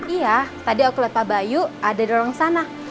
iya tadi aku lihat pak bayu ada di ruang sana